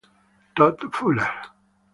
Todd Fuller